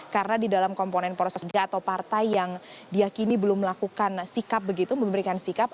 karena di dalam komponen poros ketiga atau partai yang diakini belum melakukan sikap begitu memberikan sikap